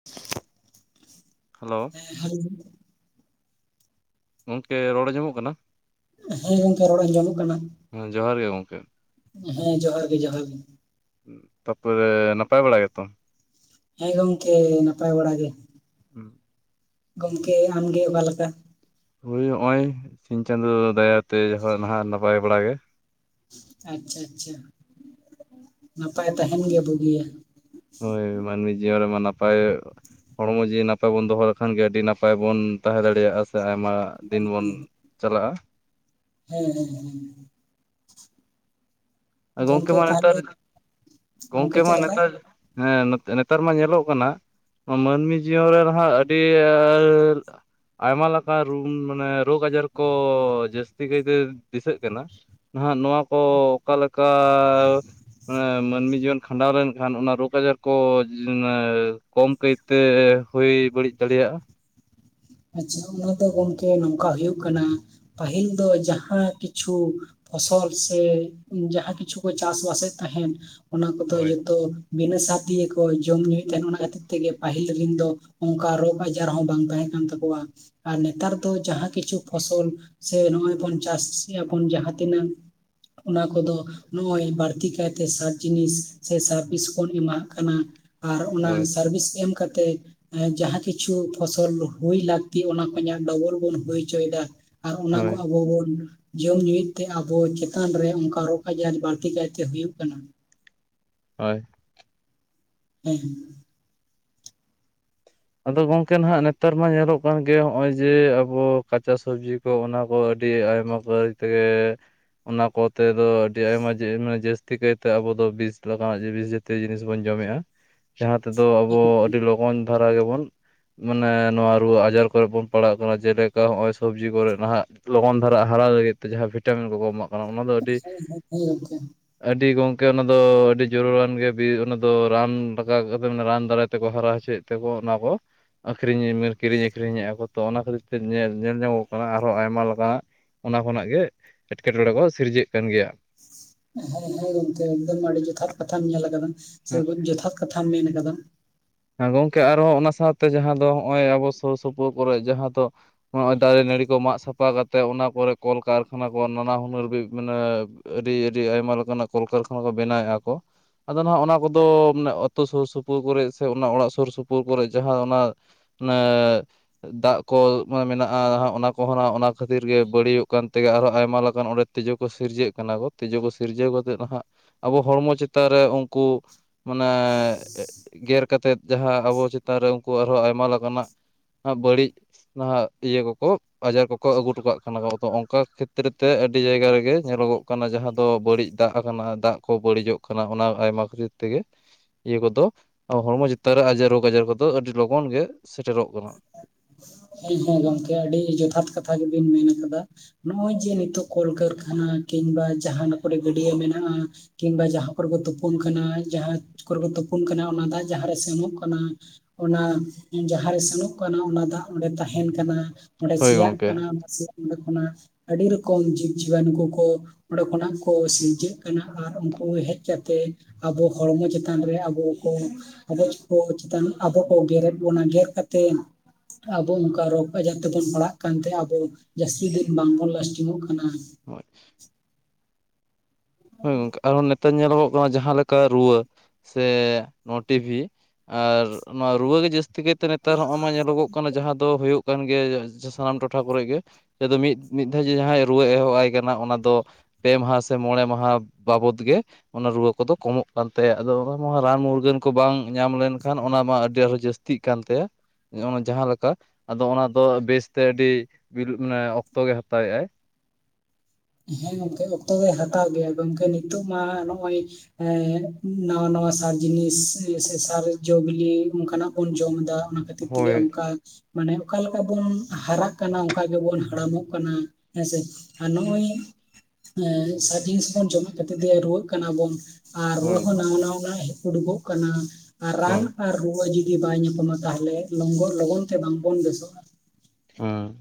[inaudible] Hello ᱦᱮᱸ hello. ᱜᱚᱝᱠᱮ ᱨᱚᱲ ᱟᱸᱡᱚᱢᱚᱜ ᱠᱟᱱᱟ? ᱦᱮᱸ ᱜᱚᱝᱠᱮ ᱨᱚᱲ ᱟᱸᱡᱚᱢᱚᱜ ᱠᱟᱱᱟ ᱦᱮᱸ ᱡᱚᱦᱟᱨ ᱜᱮ ᱜᱚᱝᱠᱮ ᱦᱮᱸ ᱡᱚᱦᱟᱨ ᱜᱮ ᱡᱚᱦᱟᱨ ᱜᱮ᱾ ᱛᱟᱯᱚᱨᱮ ᱱᱟᱯᱟᱭ ᱵᱟᱲᱟ ᱜᱮᱛᱚ? ᱦᱮ ᱜᱚᱢᱠᱮ ᱱᱟᱯᱟᱭ ᱵᱟᱲᱟ ᱜᱮ᱾ ᱦᱩᱸ [inaudible] ᱜᱚᱢᱠᱮ ᱟᱢᱜᱮ ᱚᱠᱟᱞᱮᱠᱟ? ᱦᱳᱭ ᱱᱚᱜᱼᱚᱭ ᱥᱤᱧ ᱪᱟᱸᱫᱚ ᱫᱟᱭᱟᱛᱮ ᱡᱟᱦᱟᱸ ᱱᱟᱦᱟᱜ ᱱᱟᱯᱟᱭ ᱵᱟᱲᱟᱜ ᱜᱮ᱾ ᱟᱪᱪᱷᱟ ᱟᱪᱪᱷᱟ ᱱᱟᱯᱟᱭ ᱛᱟᱦᱮᱱ ᱜᱮ ᱵᱩᱜᱤᱭᱟ᱾ ᱦᱳᱭ ᱢᱟᱱᱢᱤ ᱡᱤᱭᱚᱱ ᱨᱮᱢᱟ ᱱᱟᱯᱟᱭᱼᱼ ᱦᱚᱲᱢᱚ ᱡᱤᱣᱤ ᱱᱟᱯᱟᱭ ᱵᱚᱱ ᱫᱚᱦᱚ ᱞᱮᱠᱷᱟᱱ ᱜᱮ ᱟᱹᱰᱤ ᱱᱟᱯᱟᱭ ᱵᱚᱱ ᱛᱟᱦᱮᱸ ᱫᱟᱲᱮᱭᱟᱜᱼᱟ᱾ ᱥᱮ ᱟᱭᱢᱟ ᱫᱤᱱ ᱵᱚᱱ ᱦᱮᱸ ᱪᱟᱞᱟᱜᱼᱟ᱾ ᱦᱮᱸ ᱦᱮᱸ ᱦᱩᱸ᱾ ᱜᱚᱢᱠᱮ ᱜᱚᱝᱠᱮ ᱢᱟ ᱱᱮᱛᱟᱨ ᱛᱟᱦᱚᱞᱮ ᱜᱚᱢᱠᱮ ᱜᱚᱝᱠᱮ ᱢᱟ ᱪᱮᱫ ᱞᱮᱠᱟ? ᱱᱮᱛᱟᱨᱼᱼ ᱦᱮᱸ ᱱᱮᱛᱟᱨ ᱢᱟ ᱧᱮᱞᱚᱜ ᱠᱟᱱᱟ, ᱱᱚᱣᱟ ᱢᱟᱹᱱᱢᱤ ᱡᱤᱭᱚᱱ ᱨᱮ ᱱᱟᱦᱟᱜ ᱟᱹᱰᱤ ᱟᱭᱢᱟ ᱞᱮᱠᱟᱱ ᱨᱩᱢ ᱢᱟᱱᱮᱼᱼ ᱨᱳᱜᱽ ᱟᱡᱟᱨ ᱠᱚ ᱡᱟᱹᱥᱛᱤ ᱠᱟᱭᱛᱮ ᱫᱤᱥᱟᱹᱜ ᱠᱟᱱᱟ ᱱᱟᱦᱟᱜ ᱱᱚᱣᱟ ᱠᱚ᱾ ᱚᱠᱟᱞᱮᱠᱟ ᱢᱟᱱᱮ ᱢᱟᱹᱱᱢᱤ ᱡᱤᱭᱚᱱᱼᱼ ᱠᱷᱟᱸᱰᱟᱣ ᱞᱮᱱᱠᱷᱟᱱ ᱚᱱᱟ ᱨᱳᱜᱽ ᱟᱡᱟᱨ ᱠᱚ ᱠᱚᱢ ᱠᱟᱹᱭᱛᱮ ᱦᱩᱭ ᱵᱟᱹᱲᱤᱡ ᱫᱟᱲᱮᱭᱟᱜᱼᱟ᱾ ᱟᱪᱪᱷᱟ ᱚᱱᱟ ᱫᱚ ᱜᱚᱢᱠᱮ ᱱᱚᱝᱠᱟ ᱦᱩᱭᱩᱜ ᱠᱟᱱᱟ ᱯᱟᱹᱦᱤᱞ ᱫᱚ ᱡᱟᱦᱟᱸ ᱠᱤᱪᱷᱩᱼᱼ ᱯᱷᱚᱥᱚᱞ ᱥᱮ ᱡᱟᱦᱟᱸ ᱠᱤᱪᱷᱩ ᱠᱚ ᱪᱟᱥᱵᱟᱥᱮᱫ ᱛᱟᱦᱮᱸᱱ ᱚᱱᱟ ᱠᱚᱫᱚ ᱦᱳᱭ ᱡᱚᱛᱚᱼᱼ ᱵᱤᱱᱟᱹ ᱥᱟᱨ ᱛᱮᱜᱮ ᱠᱚ ᱡᱚᱢ ᱧᱩᱭᱮᱫ ᱛᱟᱦᱮᱱ ᱚᱱᱟ ᱠᱷᱟᱹᱛᱤᱨ ᱛᱮᱜᱮ ᱯᱟᱹᱦᱤᱞ ᱨᱮᱱ ᱫᱚᱼᱼ ᱚᱝᱠᱟ ᱨᱳᱜᱽ ᱟᱡᱟᱨ ᱦᱚᱸ ᱵᱟᱝ ᱛᱟᱦᱮᱸ ᱠᱟᱱ ᱛᱟᱠᱚᱣᱟ ᱟᱨ ᱱᱮᱛᱟᱨ ᱫᱚ ᱡᱟᱦᱟᱸ ᱠᱤᱪᱷᱩ ᱯᱷᱚᱥᱚᱞᱼᱼ ᱥᱮ ᱱᱚᱜᱼᱚᱭ ᱵᱚᱱ ᱪᱟᱥᱤᱭᱟᱵᱚᱱ ᱡᱟᱦᱟᱸ ᱛᱤᱱᱟᱹᱜᱼᱼ ᱚᱱᱟ ᱠᱚᱫᱚ ᱱᱚᱜᱼᱚᱭ ᱵᱟᱹᱲᱛᱤ ᱠᱟᱭᱛᱮ ᱥᱟᱨ ᱡᱤᱱᱤᱥ ᱥᱮ ᱥᱟᱨᱵᱤᱥ ᱵᱚᱱ ᱮᱢᱟᱜ ᱠᱟᱱᱟ᱾ ᱟᱨ ᱚᱱᱟ ᱦᱳᱭ ᱥᱟᱨᱵᱤᱥ ᱮᱢ ᱠᱟᱛᱮᱜ ᱡᱟᱦᱟᱸ ᱠᱤᱪᱷᱩ ᱯᱷᱚᱥᱚᱞᱼᱼ ᱦᱩᱭ ᱞᱟᱹᱠᱛᱤ ᱚᱱᱟ ᱠᱷᱚᱧᱟ ᱰᱚᱵᱚᱞ ᱵᱚᱱ ᱦᱩᱭ ᱪᱚᱭᱫᱟ ᱟᱨ ᱚᱱᱟ ᱠᱚ ᱦᱳᱭ ᱟᱵᱚ ᱵᱚᱱᱼᱼ ᱡᱚᱢᱧᱩᱭᱮᱫ ᱛᱮ ᱟᱵᱚ ᱪᱮᱛᱟᱱ ᱨᱮ ᱚᱝᱠᱟ ᱨᱳᱜᱽ ᱟᱡᱟᱨ‌ ᱵᱟᱹᱲᱛᱤ ᱠᱟᱭᱛᱮ ᱦᱩᱭᱩᱜ ᱠᱟᱱᱟ᱾ ᱦᱳᱭ ᱦᱮᱸ ᱦᱮᱸ ᱟᱫᱚ ᱜᱚᱝᱠᱮ ᱱᱟᱦᱟᱜ ᱱᱮᱛᱟᱨ ᱢᱟ ᱧᱮᱞᱚᱜ ᱠᱟᱱ ᱜᱮᱭᱟ ᱦᱚᱜᱼᱚᱭ ᱡᱮ ᱟᱵᱚ ᱠᱟᱸᱪᱟ ᱥᱚᱵᱽᱡᱤᱼᱼ ᱠᱚ ᱚᱱᱟ ᱠᱚ ᱟᱹᱰᱤ ᱟᱭᱢᱟ ᱠᱟᱹᱨᱤᱡ ᱛᱮᱜᱮᱼᱼ ᱚᱱᱟ ᱠᱚᱛᱮ ᱫᱚ ᱟᱹᱰᱤ ᱟᱭᱢᱟ ᱡᱮ ᱟᱭᱢᱟ ᱡᱟᱹᱥᱛᱤ ᱠᱟᱭᱛᱮ ᱟᱵᱚ ᱫᱚ ᱵᱤᱥ ᱞᱟᱜᱟᱣᱟᱜ ᱡᱮ ᱵᱤᱥᱼᱼ ᱛᱮ ᱡᱤᱱᱤᱥ ᱵᱚᱱ ᱡᱚᱢᱮᱜᱼᱟ ᱡᱟᱦᱟᱸ ᱛᱮᱫᱚ ᱟᱵᱚ ᱦᱮᱸ ᱟᱹᱰᱤ ᱞᱚᱜᱚᱱ ᱫᱷᱟᱨᱟ ᱜᱮᱵᱚᱱᱼᱼ ᱢᱟᱱᱮ ᱱᱚᱣᱟ ᱨᱩᱣᱟᱹ ᱟᱡᱟᱨ ᱠᱚᱨᱮᱜ ᱵᱚᱱ ᱯᱟᱲᱟᱜ ᱠᱟᱱᱟ ᱡᱮᱞᱮᱠᱟ ᱦᱚᱸᱜᱼᱚᱭ ᱥᱚᱵᱽᱡᱤ ᱠᱚᱨᱮᱜ ᱱᱟᱦᱟᱜᱼᱼ ᱞᱚᱜᱚᱱ ᱫᱷᱟᱨᱟᱜ ᱦᱟᱨᱟ ᱞᱟᱹᱜᱤᱫ ᱛᱮ ᱡᱟᱦᱟᱸ ᱵᱷᱤᱴᱟᱢᱤᱱ ᱠᱚᱠᱚ ᱮᱢᱟᱜ ᱠᱟᱱᱟ ᱚᱱᱟ ᱫᱚ ᱟᱹᱰᱤᱼᱼ ᱜᱚᱢᱠᱮ ᱟᱹᱰᱤ ᱜᱚᱝᱠᱮ ᱚᱱᱟ ᱫᱚ ᱟᱹᱰᱤ ᱡᱟᱹᱨᱩᱨᱟᱱ ᱜᱮ ᱵᱤᱨ ᱚᱱᱟ ᱫᱚ ᱨᱟᱱ ᱨᱟᱠᱟ ᱠᱟᱛᱮ ᱚᱱᱟ ᱨᱟᱱ ᱫᱟᱨᱟᱭ ᱛᱮᱠᱚ ᱦᱟᱨᱟ ᱦᱚᱪᱚᱭᱮᱫ᱾ ᱛᱮᱠᱚ ᱚᱱᱟ ᱠᱚ ᱟᱹᱠᱷᱨᱤᱧ ᱢᱤ ᱠᱤᱨᱤᱧ ᱟᱹᱠᱷᱨᱤᱧᱮᱜᱼᱟ, ᱠᱚ ᱛᱚ ᱚᱱᱟ ᱠᱷᱟᱹᱛᱤᱨ ᱛᱮ ᱧᱮᱞ, ᱧᱮᱞ ᱧᱟᱢᱚᱜ ᱠᱟᱱᱟ ᱟᱨᱦᱚᱸ ᱟᱭᱢᱟ ᱞᱮᱠᱟᱱᱟᱜ᱾ ᱚᱱᱟ ᱠᱷᱚᱱᱟᱜ ᱜᱮ, ᱮᱴᱠᱮᱴᱚᱬᱮ ᱠᱚ ᱥᱤᱨᱡᱟᱹᱜ ᱠᱟᱱ ᱜᱮᱭᱟ᱾ ᱦᱮᱸ, ᱦᱮᱸ ᱜᱚᱝᱠᱮ ᱮᱠᱫᱚᱢ ᱟᱹᱰᱤ, ᱡᱚᱛᱷᱟᱛ ᱠᱟᱛᱷᱟᱢ ᱧᱮᱞ ᱠᱟᱫᱟᱢ᱾ ᱦᱮᱸ ᱥᱮ ᱵᱚᱡᱽ ᱡᱚᱛᱷᱟᱛ ᱠᱟᱛᱷᱟᱢ ᱢᱮᱱ ᱠᱟᱫᱟᱢ᱾ ᱦᱮᱸ ᱜᱚᱝᱠᱮ ᱟᱨᱦᱚᱸ ᱚᱱᱟ ᱥᱟᱶᱛᱮ, ᱡᱟᱦᱟᱸ ᱫᱚ ᱦᱚᱜᱼᱚᱭ ᱟᱵᱚ ᱥᱩᱨ ᱥᱩᱯᱩᱨ ᱠᱚᱨᱮᱜ, ᱡᱟᱦᱟᱸ ᱫᱚ ᱱᱚᱜᱼᱚᱭ ᱫᱟᱨᱮ ᱱᱟᱹᱲᱤ ᱠᱚ, ᱢᱟᱜ ᱥᱟᱯᱷᱟ ᱠᱟᱛᱮᱜ, ᱚᱱᱟ ᱠᱚᱨᱮ ᱠᱚᱞᱠᱟᱨᱠᱷᱟᱱᱟ ᱠᱚ, ᱱᱟᱱᱟ ᱦᱩᱱᱟᱹᱨ ᱢᱟᱱᱮ ᱟᱹᱰᱤ-ᱟᱹᱰᱤ ᱟᱭᱢᱟ ᱞᱮᱠᱟᱱᱟᱜ, ᱠᱚᱞᱠᱟᱨᱠᱷᱟᱱᱟ ᱠᱚ ᱵᱮᱱᱟᱣᱮᱜᱼᱟ ᱠᱚ᱾ ᱟᱫᱚ ᱱᱟᱜ ᱚᱱᱟ ᱠᱚᱫᱚ, ᱢᱟᱱᱮ ᱟᱹᱛᱳ ᱥᱳᱨ ᱥᱳᱯᱳᱨ ᱠᱚᱨᱮ ᱥᱮ ᱚᱱᱟ ᱚᱲᱟᱜ ᱥᱳᱨ ᱥᱳᱯᱳᱨ ᱠᱚᱨᱮᱜ, ᱡᱟᱦᱟᱸ ᱚᱱᱟ ᱢᱟᱱᱮ ᱫᱟᱜ ᱠᱚ ᱢᱮᱱᱟᱜᱼᱟ, ᱚᱱᱟ ᱠᱚᱦᱚᱸ ᱱᱟᱜ ᱚᱱᱟ ᱠᱷᱟᱹᱛᱤᱨ ᱜᱮ, ᱵᱟᱹᱲᱤᱡᱚᱜ ᱠᱟᱱ ᱛᱮᱜᱮ, ᱟᱨᱦᱚᱸ ᱟᱭᱢᱟ ᱞᱮᱠᱟᱱ ᱚᱸᱰᱮ ᱛᱤᱡᱩ ᱠᱚ ᱥᱤᱨᱡᱟᱹᱜ ᱠᱟᱱᱟ ᱠᱚ, ᱛᱤᱡᱩ ᱠᱚ ᱥᱤᱨᱡᱟᱹᱣ ᱠᱟᱛᱮᱜ ᱱᱟᱦᱟᱜ ᱟᱵᱚ, ᱦᱚᱲᱢᱚ ᱪᱮᱛᱟᱱ ᱨᱮ ᱩᱝᱠᱩ ᱢᱟᱱᱮ ᱜᱮᱨ ᱠᱟᱛᱮᱫ, ᱡᱟᱦᱟᱸ ᱟᱵᱚ ᱪᱮᱛᱟᱱ ᱨᱮ, ᱩᱝᱠᱩ ᱟᱨᱦᱚᱸ ᱟᱭᱢᱟ ᱞᱮᱠᱟᱱᱟᱜ ᱵᱟᱹᱲᱤᱡ ᱱᱟᱦᱟᱜ ᱤᱭᱟᱹ ᱠᱚᱠᱚ ᱟᱡᱟᱨ ᱠᱚᱠᱚ ᱟᱹᱜᱩ ᱴᱚᱠᱟᱜ ᱠᱟᱱᱟ ᱠᱚ, ᱟᱠᱚ ᱚᱝᱠᱟ ᱠᱷᱮᱛᱨᱮ ᱛᱮ, ᱟᱹᱰᱤ ᱡᱟᱭᱜᱟ ᱨᱮᱜᱮ ᱧᱮᱞᱚᱜᱚᱜ ᱠᱟᱱᱟ, ᱡᱟᱦᱟᱸ ᱫᱚ ᱵᱟᱹᱲᱤᱡ᱾ ᱫᱟᱜ ᱟᱠᱟᱱᱟ ᱫᱟᱜ ᱠᱚ ᱵᱟᱹᱲᱤᱡᱚᱜ ᱠᱟᱱᱟ, ᱚᱱᱟ ᱟᱭᱢᱟ ᱠᱷᱟᱹᱛᱤᱨ ᱛᱮᱜᱮ ᱤᱭᱟᱹ ᱠᱚᱫᱚ ᱟᱵᱚ ᱦᱚᱲᱢᱚ ᱪᱮᱛᱟᱱ ᱨᱮ, ᱟᱡᱟᱨ ᱨᱳᱜᱽ ᱟᱡᱟᱨ ᱠᱚᱫᱚ ᱟᱹᱰᱤ ᱞᱚᱜᱚᱱ ᱜᱮ ᱥᱮᱴᱮᱨᱚᱜ ᱠᱟᱱᱟ᱾ ᱦᱮᱸ, ᱦᱮᱸ ᱜᱚᱝᱠᱮ ᱟᱹᱰᱤ ᱡᱚᱛᱷᱟᱛ ᱠᱟᱛᱷᱟ ᱜᱮᱵᱤᱱ ᱢᱮᱱ ᱠᱟᱫᱟ᱾ ᱱᱚᱜᱼᱚᱭ ᱡᱮ ᱱᱤᱛᱚᱜ ᱠᱚᱞᱠᱟᱨᱠᱷᱟᱱᱟ, ᱠᱤᱝᱵᱟ ᱡᱟᱦᱟᱸ ᱠᱚᱨᱮ ᱜᱟᱹᱰᱭᱟᱹ ᱢᱮᱱᱟᱜᱼᱟ ᱠᱤᱢᱵᱟ ᱡᱟᱦᱟᱸ ᱠᱚᱨᱮ ᱠᱚ ᱛᱳᱯᱳᱱ ᱠᱟᱱᱟ, ᱡᱟᱦᱟᱸᱡ ᱠᱚᱨᱮ ᱠᱚ ᱛᱳᱯᱳᱱ ᱠᱟᱱᱟ, ᱚᱱᱟ ᱫᱟᱜ ᱡᱟᱦᱟᱸᱨᱮ ᱥᱮᱱᱚᱜ ᱠᱟᱱᱟ ᱚᱱᱟ ᱡᱟᱦᱟᱸᱨᱮ ᱥᱮᱱᱚᱜ ᱠᱟᱱᱟ ᱚᱱᱟ ᱫᱟᱜ ᱚᱸᱰᱮ ᱛᱟᱦᱮᱱ ᱠᱟᱱᱟ, ᱚᱸᱰᱮ ᱦᱳᱭ ᱥᱤᱭᱟᱜ ᱜᱚᱝᱠᱮ ᱠᱟᱱᱟ ᱚᱸᱰᱮ ᱠᱷᱚᱱᱟᱜ ᱟᱹᱰᱤ ᱨᱚᱠᱚᱢ ᱡᱤᱵᱽ ᱡᱤᱵᱟᱱᱩ ᱠᱚᱠᱚ, ᱚᱸᱰᱮ ᱠᱷᱚᱱᱟᱜ ᱠᱚ ᱥᱤᱨᱡᱟᱹᱜ ᱠᱟᱱᱟ, ᱟᱨ ᱩᱝᱠᱩ ᱦᱮᱡ ᱠᱟᱛᱮᱜ ᱟᱵᱚ ᱦᱚᱲᱢᱚ ᱪᱮᱛᱟᱱ ᱨᱮ, ᱟᱵᱚ ᱠᱚ ᱟᱵᱚᱪ ᱠᱚ ᱪᱮᱛᱟᱱ ᱟᱵᱚ ᱠᱚ, ᱜᱮᱨᱮᱫ ᱵᱚᱱᱟ ᱜᱮᱨ ᱠᱟᱛᱮᱜ ᱟᱵᱚ ᱚᱝᱠᱟ ᱨᱳᱜᱽ ᱟᱡᱟᱨ ᱛᱮᱵᱚᱱ ᱯᱟᱲᱟᱜ ᱠᱟᱱᱛᱮ, ᱟᱵᱚ ᱡᱟᱹᱥᱛᱤ ᱫᱤᱱ ᱵᱟᱝᱵᱚᱱ ᱞᱟᱥᱴᱤᱝ ᱚᱜ ᱠᱟᱱᱟ᱾ ᱦᱳᱭ [inaudible] ᱦᱳᱭ ᱜᱚᱝᱠᱮ, ᱟᱨᱦᱚᱸ ᱱᱮᱛᱟᱨ ᱧᱮᱞᱚᱜᱚᱜ ᱠᱟᱱᱟ ᱡᱟᱦᱟᱸ ᱞᱮᱠᱟ ᱨᱩᱣᱟᱹ ᱥᱮ ᱱᱚᱣᱟ ᱴᱤᱵᱷᱤ, ᱟᱨ ᱱᱚᱣᱟ ᱨᱩᱣᱟᱹ ᱜᱮ ᱡᱟᱹᱥᱛᱤ ᱠᱟᱭ ᱛᱮ ᱱᱮᱛᱟᱨ ᱦᱚᱸᱜᱼᱱᱟ ᱧᱮᱞᱚᱜᱚᱜ ᱠᱟᱱᱟ, ᱡᱟᱦᱟᱸ ᱫᱚ ᱦᱳᱭᱳᱜ ᱠᱟᱱ ᱜᱮᱭᱟ ᱡᱟ ᱥᱟᱱᱟᱢ ᱴᱚᱴᱷᱟ ᱠᱚᱨᱮᱜ ᱜᱮ, ᱟᱫᱚ ᱢᱤᱫ ᱢᱤᱫ ᱫᱷᱟᱣ ᱡᱮ, ᱡᱟᱦᱟᱸᱭ ᱨᱩᱣᱟᱹ ᱮᱦᱚᱵ ᱟᱭ ᱠᱟᱱᱟ᱾ ᱚᱱᱟ ᱫᱚ ᱯᱮ ᱢᱟᱦᱟ ᱥᱮ, ᱢᱚᱬᱮ ᱢᱟᱦᱟ ᱵᱟᱵᱚᱫ ᱜᱮ᱾ ᱚᱱᱟ ᱨᱩᱣᱟᱹ ᱠᱚᱫᱚ ᱠᱚᱢᱚᱜ ᱠᱟᱱ ᱛᱟᱭᱟ, ᱟᱫᱚ ᱚᱱᱟ ᱢᱟ ᱨᱟᱱ ᱢᱩᱨᱜᱟᱹᱱ ᱠᱚ ᱵᱟᱝ, ᱧᱟᱢ ᱞᱮᱱᱠᱷᱟᱱ ᱚᱱᱟ ᱢᱟ ᱟᱹᱰᱤ ᱟᱨᱦᱚᱸ ᱡᱟᱹᱥ ᱛᱤᱜ ᱠᱟᱱ ᱛᱟᱭᱟ ᱾ ᱱᱚᱜᱼᱱᱟ ᱡᱟᱦᱟ ᱞᱮᱠᱟ, ᱟᱫᱚ ᱚᱱᱟ ᱫᱚ ᱵᱮᱥᱛᱮ ᱟᱹᱰᱤ ᱢᱟᱱᱮ ᱚᱠᱛᱚ ᱜᱮ ᱦᱟᱛᱟᱣᱮᱜ ᱟᱭ᱾ ᱦᱮᱸ ᱜᱚᱝᱠᱮ ᱚᱠᱛᱚ ᱫᱚᱭ ᱦᱟᱛᱟᱣ ᱜᱮᱭᱟ, ᱜᱚᱝᱠᱮ ᱱᱤᱛᱚᱜ ᱢᱟ ᱱᱚᱜᱼᱚᱭ ᱮ ᱱᱟᱶᱟ-ᱱᱟᱶᱟ ᱥᱟᱨ ᱡᱤᱱᱤᱥ ᱥᱮ, ᱥᱟᱨ ᱡᱚ ᱵᱤᱞᱤ ᱚᱱᱠᱟᱱᱟᱜ ᱵᱚᱱ ᱡᱚᱢ ᱫᱟ᱾ ᱚᱱᱟ ᱠᱷᱟᱹᱛᱤᱨ ᱛᱮᱜᱮ ᱦᱳᱭ ᱚᱱᱠᱟ ᱢᱟᱱᱮ ᱚᱠᱟᱞᱮᱠᱟ ᱵᱚᱱ ᱦᱟᱨᱟᱜ ᱠᱟᱱᱟ, ᱚᱱᱠᱟ ᱜᱮᱵᱚᱱ ᱦᱟᱲᱟᱢᱚᱜ ᱠᱟᱱᱟ, ᱦᱮᱸᱥᱮ ᱟᱨ ᱱᱚᱜᱼᱚᱭ ᱮᱸ [unintelligible] ᱡᱤᱱᱤᱥ ᱵᱚᱱ ᱡᱚᱢᱮᱜ ᱠᱷᱟᱹᱛᱤᱨ ᱛᱮ ᱨᱩᱣᱟᱹᱜ ᱠᱟᱱᱟ ᱵᱚᱱ ᱟᱨ ᱨᱩᱣᱟᱹ ᱦᱳᱭ ᱦᱳᱭ ᱦᱚᱸ ᱱᱟᱣᱟ, ᱱᱟᱣᱟ ᱱᱟᱜ ᱩᱰᱩᱠᱚᱜ ᱠᱟᱱᱟ ᱟᱨ ᱨᱟᱱ, ᱟᱨ ᱨᱩᱣᱟᱹ ᱡᱩᱫᱤ ᱵᱟᱭ ᱧᱟᱯᱟᱢᱟ, ᱛᱟᱦᱚᱞᱮ ᱞᱚᱝᱜᱚᱨ ᱞᱚᱜᱚᱱ ᱛᱮ ᱵᱟᱝ ᱵᱚᱱ ᱵᱮᱥᱚᱜᱼᱟ᱾ ᱦᱮᱸ,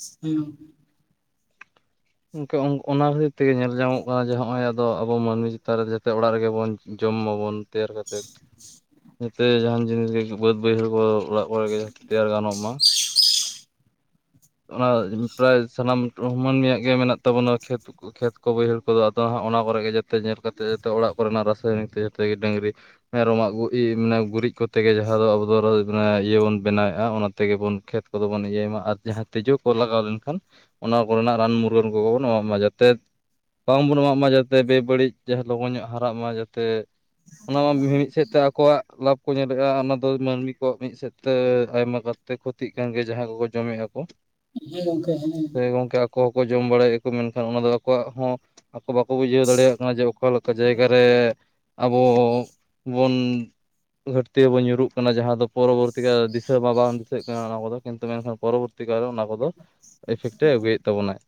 ᱤᱥᱛᱤ [unintelligible] ᱜᱚᱝᱠᱮ ᱚᱱᱟ ᱠᱷᱟᱹᱛᱤᱨ ᱛᱮᱜᱮ ᱧᱮᱞ ᱧᱟᱢᱚᱜ ᱠᱟᱱᱟ ᱡᱮ ᱦᱚᱸᱜᱼᱚᱭᱼᱼ ᱫᱚ ᱟᱵᱚ ᱢᱟᱹᱱᱢᱤ ᱪᱮᱛᱟᱱ ᱨᱮ ᱡᱟᱛᱮ ᱚᱲᱟᱜ ᱨᱮᱜᱮ ᱵᱚᱱ ᱡᱚᱢ ᱢᱟᱵᱚᱱ ᱛᱮᱭᱟᱨ ᱠᱟᱛᱮᱫ ᱾ ᱡᱟᱛᱮ ᱡᱟᱸᱦᱟᱱ ᱡᱤᱱᱤᱥ ᱜᱮ ᱵᱟᱹᱫᱽ ᱵᱟᱹᱭᱦᱟᱹᱲ ᱠᱚᱨᱮ ᱚᱲᱟᱜ ᱠᱚᱨᱮ ᱜᱮ ᱛᱮᱭᱟᱨ ᱜᱟᱱᱚᱜ ᱢᱟ ᱾ ᱚᱱᱟ ᱯᱨᱟᱭ ᱥᱟᱱᱟᱢ ᱢᱟᱹᱱᱢᱤᱭᱟᱜ ᱜᱮ ᱢᱮᱱᱟᱜ ᱛᱟᱵᱚᱱᱟ ᱠᱷᱮᱛᱼᱼ ᱠᱚ ᱠᱷᱮᱛ ᱠᱚ ᱵᱟᱹᱭᱦᱟᱹᱲ ᱠᱚᱫᱚ ᱚᱱᱟ ᱠᱚᱨᱮ ᱜᱮ ᱡᱟᱛᱮ ᱧᱮᱞ ᱠᱟᱛᱮ ᱡᱟᱛᱮ ᱚᱲᱟᱜ ᱠᱚᱨᱮᱱᱟᱜ ᱨᱟᱥᱟᱭᱚᱱᱤᱠ ᱛᱮ ᱡᱟᱛᱮ ᱜᱮ ᱰᱟᱺᱝᱨᱤᱼᱼ ᱢᱮᱨᱚᱢᱟᱜ ᱜᱩ ᱨᱤᱡ ᱢᱟᱱᱮ ᱜᱩᱨᱤᱡ ᱠᱚᱛᱮ ᱜᱮ ᱡᱟᱦᱟᱸ ᱫᱚ ᱟᱵᱚ ᱫᱚ ᱦᱩᱭᱩᱜ ᱠᱟᱱᱟ ᱤᱭᱟᱹ ᱵᱚᱱ ᱵᱮᱱᱟᱣᱮᱜᱼᱟ ᱚᱱᱟ ᱛᱮᱜᱮ ᱵᱚᱱ ᱠᱷᱮᱛᱼᱼ ᱠᱚᱫᱚ ᱵᱚᱱ ᱤᱭᱟᱹᱭ ᱢᱟ ᱟᱨ ᱡᱟᱸᱦᱟᱼᱼ ᱛᱤᱡᱩ ᱠᱚ ᱞᱟᱜᱟᱣ ᱞᱮᱱᱠᱷᱟᱱ ᱚᱱᱟ ᱠᱚᱨᱮᱱᱟᱜ ᱨᱟᱱ ᱢᱩᱨᱜᱟᱹᱱ ᱠᱚᱜᱮ ᱵᱚᱱ ᱮᱢᱟᱜ ᱢᱟ ᱡᱟᱛᱮᱼᱼ ᱵᱟᱝᱵᱚᱱ ᱮᱢᱟᱜ ᱢᱟ ᱡᱟᱛᱮ ᱵᱮᱵᱟᱹᱲᱤᱡ ᱡᱟᱸᱦᱟ ᱞᱚᱜᱚᱱ ᱧᱚᱜ ᱦᱟᱨᱟᱜ ᱢᱟ ᱡᱟᱛᱮᱼᱼ ᱚᱱᱟ ᱢᱟ ᱢᱤᱼᱢᱤᱫ ᱥᱮᱫ ᱛᱮ ᱟᱠᱚᱣᱟᱜ ᱞᱟᱵᱷᱼᱼ ᱠᱚ ᱧᱮᱞᱮᱜᱼᱟ ᱚᱱᱟ ᱫᱚ ᱢᱟᱹᱱᱢᱤ ᱠᱚᱣᱟᱜ ᱢᱤᱫ ᱥᱮᱫ ᱛᱮ, ᱟᱭᱢᱟ ᱜᱟᱨᱛᱮ ᱠᱷᱚᱛᱤᱜ ᱠᱟᱱ ᱜᱮᱭᱟ ᱡᱟᱦᱟᱸᱭ ᱠᱚᱠᱚ ᱡᱚᱢᱮᱜᱼᱟ ᱠᱚ ᱾ ᱦᱮᱸ ᱜᱚᱝᱠᱮ ᱦᱮᱸᱦᱮᱸᱼᱼ ᱥᱮ ᱜᱚᱝᱠᱮ ᱟᱠᱚ ᱦᱚᱸᱠᱚ ᱡᱚᱢ ᱵᱟᱲᱟᱭᱮᱜ ᱠᱚ ᱢᱮᱱᱠᱷᱟᱱ ᱚᱱᱟ ᱫᱚ ᱟᱠᱚᱣᱟᱜ ᱦᱚᱸ ᱟᱠᱚ ᱵᱟᱠᱚ ᱵᱩᱡᱷᱟᱹᱣ ᱫᱟᱲᱮᱭᱟᱜ ᱠᱟᱱᱟ ᱡᱮᱼᱼ ᱚᱠᱟᱞᱮᱠᱟ ᱡᱟᱭᱜᱟᱨᱮ, ᱟᱵᱚ ᱵᱚᱱᱼᱼ ᱜᱷᱟᱹᱴᱛᱤ ᱨᱮ ᱵᱚᱱ ᱧᱩᱨᱩᱜ ᱠᱟᱱᱟ ᱡᱟᱦᱟ ᱫᱚ ᱯᱚᱨᱚᱵᱚᱨᱛᱤ ᱠᱟᱞ ᱨᱮ ᱫᱤᱥᱟᱹ ᱢᱟ ᱵᱟᱝ ᱫᱤᱥᱟᱹᱜ ᱠᱟᱱᱟ ᱚᱱᱟ ᱠᱚᱫᱚ ᱠᱤᱱᱛᱩ ᱢᱮᱱᱠᱷᱟᱱ ᱯᱚᱨᱚᱵᱚᱨᱛᱤᱼᱼ ᱠᱟᱨᱚᱱ ᱚᱱᱟ ᱠᱚᱫᱚ ᱮᱯᱷᱮᱠᱴᱮ ᱟᱹᱜᱩᱭᱮᱫ ᱛᱟᱵᱚᱱᱟ ᱾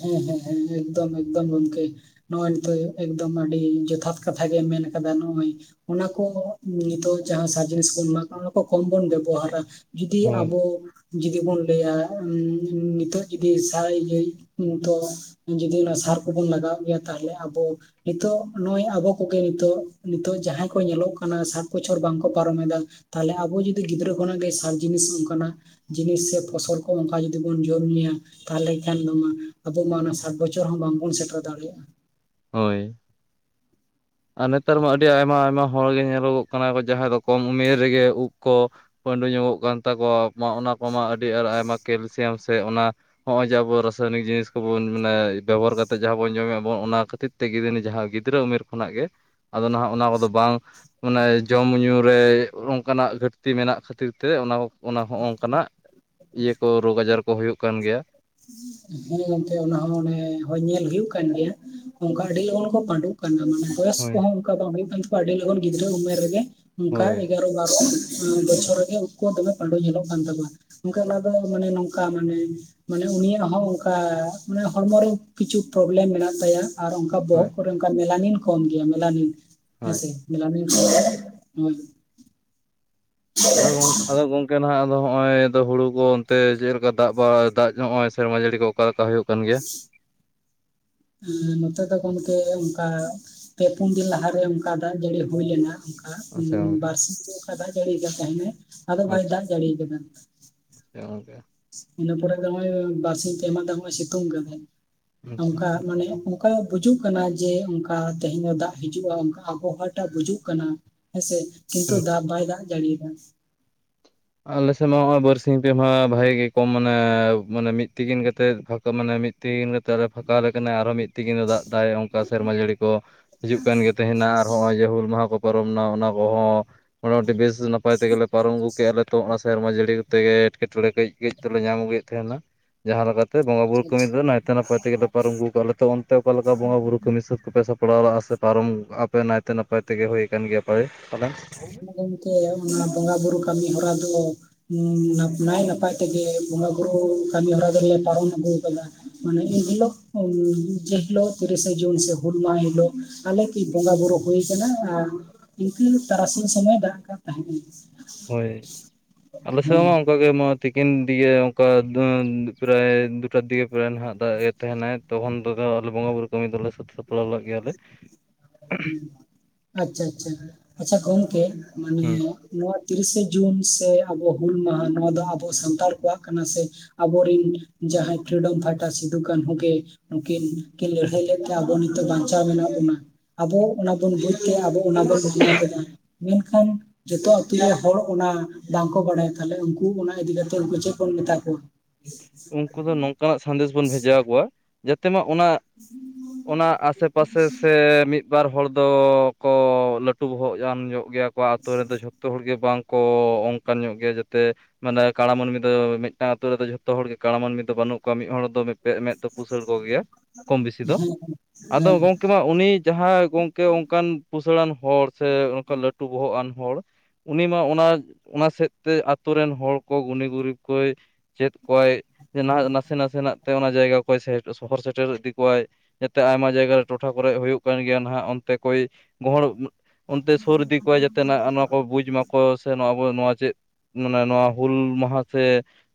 ᱦᱮᱸ ᱦᱮᱸ ᱦᱮᱸ ᱮᱠᱫᱚᱢ ᱮᱠᱫᱚᱢ ᱜᱚᱢᱠᱮ ᱾ ᱱᱚᱜᱼᱚᱭ ᱱᱤᱛᱚᱜ ᱮᱠᱫᱚᱢ ᱟᱹᱰᱤ ᱡᱚᱛᱷᱟᱛ ᱠᱟᱛᱷᱟ ᱜᱮᱢ ᱢᱮᱱ ᱠᱟᱫᱟ ᱱᱚᱜᱼᱚᱭᱼᱼ ᱚᱱᱟ ᱠᱚ ᱫᱚ ᱱᱤᱛᱚᱜ ᱡᱟᱸᱦᱟ ᱥᱟᱨ ᱡᱤᱱᱤᱥ ᱵᱚᱱ ᱮᱢᱟᱜ ᱠᱟᱱᱟ ᱚᱱᱟ ᱠᱚ ᱠᱚᱢ ᱵᱚᱱ ᱵᱮᱵᱚᱦᱟᱨᱟ ᱾ ᱡᱩᱫᱤ ᱦᱳᱭ ᱟᱵᱚ ᱡᱩᱫᱤ ᱵᱚᱱ ᱞᱟᱹᱭᱟ ᱩᱸᱻ ᱱᱤᱛᱚᱜ ᱡᱩᱫᱤ ᱥᱟᱭ ᱞᱟᱹᱭᱼᱼ ᱛᱚ, ᱡᱚᱫᱤ ᱚᱱᱟ ᱥᱟᱨ ᱠᱚᱵᱚᱱ ᱞᱟᱜᱟᱣ ᱜᱮᱭᱟ ᱛᱟᱦᱚᱞᱮ ᱟᱵᱚᱼᱼ ᱱᱤᱛᱚᱜ ᱱᱚᱜᱼᱚᱭ ᱟᱵᱚ ᱠᱚᱜᱮ ᱱᱤᱛᱚᱜ, ᱱᱤᱛᱚᱜ ᱡᱟᱦᱟᱸᱭ ᱠᱚ ᱧᱮᱞᱚᱜ ᱠᱟᱱᱟ ᱥᱟᱴ ᱵᱚᱪᱷᱚᱨ ᱵᱟᱝᱠᱚ ᱯᱟᱨᱚᱢᱮᱫᱟ ᱾ ᱛᱟᱦᱚᱞᱮ ᱟᱵᱚ ᱡᱩᱫᱤ ᱜᱤᱫᱽᱨᱟᱹ ᱠᱷᱚᱱᱟᱜ ᱜᱮ ᱥᱟᱨ ᱡᱤᱱᱤᱥ ᱚᱱᱠᱟᱱᱟᱜᱼᱼ ᱡᱤᱱᱤᱥ ᱥᱮ ᱯᱷᱚᱥᱚᱞ ᱠᱚ ᱚᱱᱠᱟ ᱡᱩᱫᱤ ᱵᱚᱱ ᱡᱚᱢ ᱧᱩᱭᱟ ᱛᱟᱦᱚᱞᱮ ᱠᱷᱟᱱ ᱫᱚ ᱢᱟᱼᱼ ᱟᱵᱚ ᱢᱟ ᱚᱱᱟ ᱥᱟᱴ ᱵᱚᱪᱷᱚᱨ ᱦᱚᱸ ᱵᱟᱝᱵᱚᱱ ᱥᱮᱴᱮᱨ ᱫᱟᱲᱮᱭᱟᱜᱼᱟ ᱾ ᱦᱳᱭ ᱟᱨ ᱱᱮᱛᱟᱨ ᱢᱟ ᱟᱹᱰᱤ ᱟᱭᱢᱟ ᱟᱭᱢᱟ ᱦᱚᱲᱜᱮ ᱧᱮᱞᱚᱜᱚᱜ ᱠᱟᱱᱟ ᱠᱚ ᱡᱟᱦᱟᱸᱭ ᱫᱚ ᱠᱚᱢ ᱩᱢᱮᱨ ᱨᱮᱜᱮ ᱩᱵ ᱠᱚᱼᱼ ᱯᱟᱺᱰᱩ ᱧᱚᱜᱚᱜ ᱠᱟᱱ ᱛᱟᱠᱚᱣᱟ ᱛᱚ ᱚᱱᱟ ᱠᱚᱢᱟ ᱟᱹᱰᱤ ᱟᱸᱴ ᱟᱭᱢᱟ ᱠᱮᱞᱥᱤᱭᱟᱢ ᱥᱮ ᱚᱱᱟᱼᱼ ᱱᱚᱜᱼᱚᱭ ᱡᱮ ᱟᱵᱚ ᱨᱟᱥᱟᱭᱚᱱᱤᱠ ᱡᱤᱱᱤᱥ ᱠᱚᱵᱚᱱ ᱢᱟᱱᱮ ᱵᱮᱵᱚᱦᱟᱨ ᱠᱟᱛᱮᱜ ᱡᱟᱦᱟᱸ ᱵᱚᱱ ᱡᱚᱢᱮᱜᱼᱟ ᱵᱚᱱ ᱚᱱᱟ ᱠᱷᱟᱹᱛᱤᱨᱼᱼ ᱛᱮᱜᱮ ᱱᱤᱛ ᱡᱟᱸᱦᱟ ᱜᱤᱫᱽᱨᱟᱹ ᱩᱢᱮᱨ ᱠᱷᱚᱱᱟᱜ ᱜᱮ ᱟᱫᱚ ᱱᱟᱦᱟᱜ ᱚᱱᱟ ᱠᱚᱫᱚ ᱵᱟᱝᱼᱼ ᱢᱟᱱᱮ ᱡᱚᱢ ᱧᱩ ᱨᱮ ᱚᱱᱠᱟᱱᱟᱜ ᱜᱷᱟᱹᱴᱛᱤ ᱢᱮᱱᱟᱜ ᱠᱷᱟᱹᱛᱤᱨ ᱛᱮ ᱚᱱᱟ, ᱚᱱᱟ ᱦᱚᱸ ᱚᱱᱠᱟᱱᱟᱜᱼᱼ ᱤᱭᱟᱹ ᱠᱚ, ᱨᱳᱜᱽ ᱟᱡᱟᱨ ᱠᱚ ᱦᱩᱭᱩᱜ ᱠᱟᱱ ᱜᱮᱭᱟ ᱾ ᱦᱮᱸ ᱮᱱᱛᱮ ᱚᱱᱟ ᱦᱚᱸ ᱚᱱᱮ ᱦᱚᱭ ᱧᱮᱞ ᱦᱩᱭᱩᱜ ᱠᱟᱱ ᱜᱮᱭᱟ ᱚᱱᱠᱟ ᱟᱹᱰᱤ ᱞᱚᱜᱚᱱ ᱠᱚ ᱯᱟᱺᱰᱩᱜ ᱠᱟᱱᱟ ᱢᱟᱱᱮ ᱾ ᱵᱚᱭᱚᱥ ᱦᱳᱭ ᱠᱚᱦᱚᱸ ᱚᱱᱠᱟ ᱵᱟᱝ ᱦᱩᱭᱩᱜ ᱠᱟᱱ ᱛᱟᱠᱚᱣᱟ ᱟᱹᱰᱤ ᱞᱚᱜᱚᱱ ᱜᱤᱫᱽᱨᱟᱹ ᱩᱢᱮᱨ ᱨᱮᱜᱮ ᱚᱱᱠᱟ ᱦᱳᱭ ᱮ [inaudible] ᱵᱟᱨᱚ ᱩᱸ ᱵᱚᱪᱷᱚᱨ ᱨᱮᱜᱮ ᱩᱱᱠᱩᱣᱟᱜ ᱫᱚᱢᱮ ᱯᱟᱺᱰᱩ ᱧᱮᱞᱚᱜ ᱠᱟᱱ ᱛᱟᱠᱚᱣᱟ ᱾ ᱚᱱᱠᱟᱱᱟᱜ ᱫᱚ ᱢᱟᱱᱮ ᱱᱚᱝᱠᱟ ᱢᱟᱱᱮ, ᱢᱟᱱᱮ ᱩᱱᱤᱭᱟᱜᱼᱼ ᱦᱚᱸ ᱚᱱᱠᱟ ᱢᱟᱱᱮ ᱦᱚᱲᱢᱚ ᱨᱮ ᱠᱤᱪᱷᱩ ᱯᱨᱚᱵᱽᱞᱮᱢ ᱢᱮᱱᱟᱜ ᱛᱟᱭᱟ, ᱟᱨ ᱚᱱᱠᱟ ᱦᱳᱭ ᱵᱚᱦᱚᱜ ᱠᱚᱨᱮᱼᱼ ᱢᱮᱞᱟᱱᱤᱱ ᱠᱚᱢ ᱜᱮᱭᱟ ᱢᱮᱞᱟᱱᱤᱱ ᱦᱳᱭ ᱦᱮᱸᱥᱮ ᱢᱮᱞᱟᱞᱤᱱ [unintelligible] ᱦᱳᱭ ᱾ ᱟᱫᱚ ᱟᱫᱚ ᱜᱚᱝᱠᱮ ᱱᱟᱦᱟᱜᱼᱼ ᱟᱫᱚ ᱦᱚᱸᱜᱼᱚᱭ ᱫᱚ ᱦᱩᱲᱩ ᱠᱚ ᱚᱱᱛᱮ ᱪᱮᱜ ᱞᱮᱠᱟ ᱫᱟᱜ ᱵᱟᱲᱟ ᱫᱟᱜ ᱱᱚᱜᱼᱚᱭ ᱥᱮᱨᱢᱟ ᱡᱟᱹᱲᱤ ᱠᱚ ᱚᱠᱟᱞᱮᱠᱟ ᱦᱳᱭᱳᱜ ᱠᱟᱱ ᱜᱮᱭᱟ ᱾ ᱮ ᱱᱚᱛᱮ ᱫᱚ ᱜᱚᱝᱠᱮ ᱚᱱᱠᱟ ᱯᱮ ᱯᱩᱱ ᱫᱤᱱ ᱞᱟᱦᱟᱨᱮ ᱚᱱᱠᱟ ᱫᱟᱜ ᱡᱟᱹᱲᱤ ᱦᱩᱭ ᱞᱮᱱᱟ ᱾ ᱟᱪᱪᱷᱟ ᱵᱟᱨᱥᱤᱧ, ᱜᱚᱝᱠᱮ ᱵᱟᱨᱥᱤᱧ ᱠᱟ ᱫᱟᱜ ᱡᱟᱹᱲᱤᱭᱟᱠᱟᱫ ᱛᱟᱸᱦᱮᱫ ᱟᱫᱚ ᱵᱟᱭ ᱫᱟᱜ ᱡᱟᱹᱲᱤᱭᱟ ᱠᱟᱫᱟ ᱾ ᱥᱮ [unintelligible] ᱜᱮ [unintelligible] ᱤᱱᱟᱹ ᱯᱚᱨᱮ ᱫᱚ ᱱᱚᱜᱼᱚᱭ ᱵᱟᱨᱥᱤᱧ ᱯᱮ ᱢᱟᱦᱟ ᱫᱚ ᱱᱚᱜᱼᱚᱭ ᱥᱤᱛᱩᱝ ᱠᱟᱫ ᱜᱮ, ᱟᱪᱪᱷᱟ ᱚᱱᱠᱟ ᱢᱟᱱᱮᱼᱼ ᱚᱱᱠᱟ ᱵᱩᱡᱩᱜ ᱠᱟᱱᱟ ᱡᱮ ᱚᱱᱠᱟ ᱛᱮᱦᱮᱧ ᱫᱚ ᱫᱟᱜ ᱦᱤᱡᱩᱜᱼᱟ, ᱚᱱᱠᱟ ᱟᱵᱽᱦᱟᱣᱟ ᱴᱟᱜ ᱵᱩᱡᱩᱜ ᱠᱟᱱᱟ ᱾ ᱦᱮᱸᱥᱮ? ᱠᱤᱱᱛᱩ ᱦᱩᱸ ᱫᱟᱜ ᱵᱟᱭ ᱫᱟᱜ ᱡᱟᱹᱲᱤᱭᱮᱫᱟ ᱾ ᱟᱞᱮ ᱥᱮᱫ ᱢᱟ ᱦᱚᱸᱜᱼᱚᱭ ᱵᱟᱨᱥᱤᱧ ᱯᱮᱢᱟᱦᱟ ᱵᱷᱟᱜᱮ ᱜᱮ ᱠᱚᱢ ᱢᱟᱱᱮ ᱢᱟᱱᱮ ᱢᱤᱫ ᱛᱤᱠᱤᱱ ᱠᱟᱛᱮ ᱯᱷᱟᱸᱠᱟ ᱢᱟᱱᱮ ᱢᱤᱫ ᱛᱤᱦᱤᱱ ᱢᱟᱛᱚ ᱟᱨᱚ ᱯᱷᱟᱠᱟᱣ ᱟᱞᱮ ᱠᱟᱱᱟ ᱟᱨᱚ ᱢᱤᱫ ᱛᱤᱦᱤᱱ ᱫᱚ ᱫᱟᱜ ᱫᱟᱭ, ᱚᱱᱠᱟ ᱥᱮᱨᱢᱟ ᱡᱟᱹᱲᱤ ᱠᱚ ᱦᱤᱡᱩᱜ ᱠᱟᱱ ᱜᱮ ᱛᱟᱦᱮᱱᱟ ᱟᱨ ᱦᱚᱸᱜᱼᱚᱭ ᱡᱮ ᱦᱩᱞ ᱢᱟᱦᱟ ᱠᱚ ᱯᱚᱨᱚᱵᱽ ᱱᱟ ᱚᱱᱟ ᱠᱚᱦᱚᱸ ᱢᱚᱴᱟᱢᱩᱴᱤ ᱵᱮᱥ ᱱᱟᱯᱟᱭ ᱛᱮᱜᱮᱞᱮ ᱯᱟᱨᱚᱢ ᱟᱹᱜᱩ ᱠᱮᱫ ᱨᱮᱛᱚ ᱦᱚᱸ-ᱜ ᱥᱮᱨᱢᱟ ᱡᱟᱹᱲᱤ ᱛᱮᱜᱮ ᱮᱴᱠᱮᱴᱚᱬᱮ ᱠᱟᱹᱡ ᱠᱟᱹᱡ ᱫᱚᱞᱮ ᱧᱟᱢ ᱟᱹᱜᱩᱭᱮᱫ ᱛᱟᱦᱮᱱᱟ ᱾ ᱡᱟᱦᱟᱸ ᱞᱮᱠᱟᱛᱮ ᱵᱚᱸᱜᱟ ᱵᱩᱨᱩ ᱠᱟᱹᱢᱤ ᱫᱚ ᱱᱟᱭᱛᱮ ᱱᱟᱯᱟᱭ ᱛᱮᱜᱮ ᱯᱟᱨᱚᱢ ᱟᱹᱜᱩ ᱠᱟᱜᱼᱟ ᱾ ᱛᱚ ᱚᱱᱛᱮ ᱚᱠᱟ ᱞᱮᱠᱟ ᱵᱚᱸᱜᱟ ᱵᱩᱨᱩ ᱠᱟᱹᱢᱤ ᱥᱟᱹᱛ ᱠᱚᱯᱮ ᱥᱟᱯ ᱯᱲᱟᱣ ᱞᱟᱜ ᱥᱮ ᱯᱟᱨᱚᱢ ᱟᱯᱮ ᱱᱟᱭᱛᱮ ᱱᱟᱯᱟᱭ ᱛᱮᱜᱮ ᱦᱩᱭ ᱟᱠᱟᱱ ᱜᱮᱭᱟ ᱯᱮ ᱦᱳᱭ, ᱚᱱᱟ ᱜᱚᱝᱠᱮ ᱚᱱᱟ ᱵᱚᱸᱜᱟ ᱵᱩᱨᱩ ᱠᱟᱹᱢᱤ ᱦᱚᱨᱟ ᱫᱚ ᱩᱸ, ᱱᱟᱭ ᱱᱟᱯᱟᱭ ᱛᱮᱜᱮ ᱵᱚᱸᱜᱟ ᱵᱩᱨᱩ ᱠᱟᱹᱢᱤ ᱦᱚᱨᱟ ᱫᱚᱞᱮ ᱯᱟᱨᱚᱢ ᱟᱹᱜᱩ ᱟᱠᱟᱫᱟ ᱾ ᱢᱟᱱᱮ ᱤᱱ ᱦᱤᱞᱳᱜ ᱡᱮ ᱦᱤᱞᱳᱜ ᱛᱤᱨᱤᱥᱮ ᱡᱩᱱ ᱥᱮ ᱦᱩᱞ ᱢᱟᱦ ᱦᱤᱞᱳᱜ ᱟᱞᱮ ᱠᱤ ᱵᱚᱸᱜᱟ ᱵᱩᱨᱩ ᱦᱳᱭ ᱟᱠᱟᱱᱟ ᱟᱨ ᱛᱤᱠᱤᱱ ᱛᱟᱨᱟᱥᱤᱧ ᱥᱚᱢᱚᱭ ᱫᱟᱜ ᱠᱟᱜ ᱛᱟᱦᱮᱸ ᱮ ᱾ ᱦᱳᱭ, ᱟᱞᱮ ᱥᱮᱫ ᱦᱚᱸ ᱚᱱᱠᱟ ᱜᱮ ᱾ ᱱᱚᱛᱮ ᱢᱟ ᱛᱤᱠᱤᱱ ᱫᱤᱜᱮ ᱚᱱᱠᱟ ᱯᱨᱟᱭ ᱫᱩᱴᱟ ᱫᱤᱜᱮ ᱯᱨᱟᱭ ᱱᱟᱦᱟᱸᱜ ᱫᱟᱜ ᱮᱫ ᱛᱟᱦᱮᱱᱟᱭ ᱾ ᱛᱚᱠᱷᱚᱱ ᱫᱚ ᱟᱞᱮ ᱵᱚᱸᱜᱟ ᱵᱩᱨᱩ ᱠᱟᱹᱢᱤ ᱫᱚᱞᱮ ᱥᱟᱹᱛ ᱥᱟᱯᱲᱟᱣ ᱞᱮᱫ ᱜᱮᱭᱟᱞᱮ ᱾ ᱟᱪ-ᱪᱷᱟ ᱟᱪ-ᱪᱷᱟ, ᱟᱪ-ᱪᱷᱟ ᱜᱚᱝᱠᱮ ᱢᱟᱱᱮ ᱦᱮᱸ ᱱᱚᱣᱟ ᱛᱤᱨᱤᱥᱮ ᱡᱩᱱ ᱥᱮ ᱟᱵᱚ ᱦᱩᱞ ᱢᱟᱦᱟ ᱱᱚᱣᱟ ᱫᱚ ᱟᱵᱚ ᱥᱟᱱᱛᱟᱲ ᱠᱚᱣᱟᱜ ᱠᱟᱱᱟ ᱥᱮ᱾ ᱟᱵᱚᱨᱤᱱ ᱡᱟᱦᱟᱸᱭ ᱯᱷᱨᱤᱰᱚᱢ ᱯᱷᱟᱭᱴᱟᱨ ᱥᱤᱫᱩᱼ ᱠᱟᱹᱱᱦᱩ ᱜᱮ ᱱᱩᱠᱤᱱ ᱠᱤᱱ ᱞᱟᱹᱲᱦᱟᱹᱭ ᱞᱮᱫ ᱛᱮ ᱟᱵᱚ ᱱᱤᱛᱚᱜ ᱵᱟᱧᱪᱟᱣ ᱢᱮᱱᱟᱜ ᱵᱚᱱᱟ ᱾ ᱟᱵᱚ ᱚᱱᱟ ᱵᱚᱱ ᱵᱩᱡ ᱠᱮᱜᱼᱟ, ᱟᱵᱚ ᱚᱱᱟ ᱵᱚᱱ ᱵᱮᱱᱟᱣ ᱠᱮᱫᱟ ᱾ ᱢᱮᱱᱠᱷᱟᱱ ᱡᱚᱛᱚ ᱟᱛᱩᱨᱮ ᱦᱚᱲ ᱚᱱᱟ ᱵᱟᱝᱠᱚ ᱵᱟᱲᱟᱭᱟ, ᱛᱟᱞᱦᱮ ᱩᱱᱠᱩ ᱚᱱᱟ ᱤᱫᱤ ᱠᱟᱛᱮ ᱩᱱᱠᱩ ᱪᱮᱫ ᱵᱚᱱ ᱢᱮᱛᱟ ᱠᱚᱣᱟ? ᱩᱱᱠᱩ ᱫᱚ ᱱᱚᱝᱠᱟᱱ ᱱᱟᱜ ᱥᱟᱸᱫᱮᱥ ᱵᱚᱱ ᱵᱷᱮᱡᱟᱣ ᱟᱠᱚᱣᱟ ᱡᱟᱛᱮ ᱢᱟ ᱚᱱᱟ ᱚᱱᱟ ᱟᱥᱮᱯᱟᱥᱮ ᱥᱮ ᱢᱤᱫ ᱢᱤᱫ ᱵᱟᱨ ᱦᱚᱲ ᱫᱚᱠᱚ ᱞᱟᱹᱴᱩ ᱵᱚᱦᱚᱜ ᱠᱟᱱ ᱧᱚᱜ ᱜᱮᱭᱟ ᱠᱚ ᱟᱛᱳ ᱨᱮᱫᱚ ᱡᱷᱚ -ᱼ ᱡᱚᱛᱚ ᱦᱚᱲ ᱜᱮ ᱵᱟᱝ ᱠᱚ ᱚᱱᱠᱟᱱ ᱧᱚᱜ ᱜᱮᱭᱟ ᱡᱟᱛᱮ ᱢᱟᱱᱮ ᱠᱟᱸᱲᱟ ᱢᱟᱹᱱᱢᱤ ᱫᱚ ᱢᱤᱫᱴᱟᱝ ᱟᱛᱳ ᱨᱮᱫᱚ ᱡᱷᱚᱛ-ᱼ ᱡᱚᱛᱚ ᱦᱚᱲ ᱜᱮ ᱠᱟᱬᱟ ᱢᱟᱹᱱᱢᱤ ᱫᱚ ᱵᱟᱹᱱᱩᱜ ᱠᱚᱣᱟ, ᱢᱤᱫ ᱦᱚᱲ ᱫᱚ ᱵᱮᱫ ᱢᱮᱫ ᱫᱚ ᱯᱩᱥᱟᱹᱲ ᱠᱚ ᱜᱮᱭᱟ ᱠᱚᱢ ᱵᱮᱥᱤ ᱫᱚ ᱦᱮᱸ ᱾ ᱟᱫᱚ ᱦᱮᱸ ᱜᱚᱝᱠ ᱩᱱᱤ ᱡᱟᱦᱟᱸᱭ ᱜᱚᱝᱠᱮ ᱚᱱᱠᱟᱱ ᱯᱩᱥᱟᱹᱲᱟᱱ ᱦᱚᱲ ᱥᱮ ᱚᱱᱠᱟ ᱞᱟᱹᱴᱩ ᱵᱚᱦᱚᱜ ᱟᱱ ᱦᱚᱲ ᱩᱱᱤ ᱢᱟ ᱚᱱᱟ ᱚᱱᱟ ᱥᱮᱫ ᱛᱮ ᱟᱛᱳ ᱨᱮᱱ ᱦᱚᱲ ᱠᱚ ᱜᱩᱱᱤ ᱜᱩᱨᱤᱵ ᱠᱚᱭ ᱪᱮᱫ ᱠᱚᱣᱟᱭ ᱱᱟᱥᱮ ᱱᱟᱥᱮ ᱱᱟᱜ ᱛᱮ ᱚᱱᱟ ᱡᱟᱭᱜᱟ ᱠᱚᱭ ᱥᱚᱦᱚᱨ ᱥᱮᱴᱮᱨ ᱤᱫᱤ ᱠᱚᱣᱟᱭ ᱾ ᱡᱟᱛᱮ ᱟᱭᱢᱟ ᱡᱟᱭᱜᱟ ᱨᱮ ᱴᱚᱴᱷᱟ ᱠᱚᱨᱮᱜ ᱦᱳᱭᱳᱜ ᱠᱟᱱ ᱜᱮᱭᱟ ᱱᱟᱦᱜ ᱚᱱᱛᱮ ᱠᱚᱭ ᱜᱚᱦᱚᱲ ᱚᱱᱛᱮ ᱥᱳᱨ ᱤᱫᱤ ᱠᱚᱣᱟ ᱡᱟᱛᱮ ᱱᱟᱜ ᱱᱚᱣᱟ ᱠᱚ ᱵᱩᱡᱽ ᱢᱟᱠᱚ ᱥᱮ ᱟᱵᱚ ᱱᱚᱣᱟ ᱪᱮᱫ ᱢᱟᱱᱮ ᱱᱚᱣᱟ ᱦᱩᱞ ᱢᱟᱦᱟ ᱥᱮ